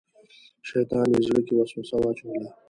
شیطان یې زړه کې وسوسه واچوله.